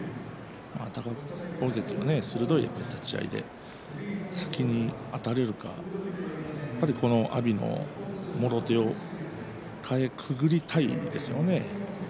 大関の鋭い立ち合いで先にあたれるか阿炎のもろ手をかいくぐりたいですね